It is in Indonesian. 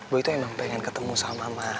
boy tuh emang pengen ketemu sama mama